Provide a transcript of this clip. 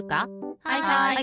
はいはい！